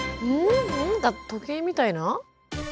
なんか時計みたいな？